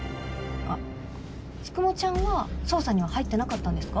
あっつくもちゃんは捜査には入ってなかったんですか？